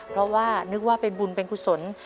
เพราะว่านึกว่าเป็นบุญเป็นกุศล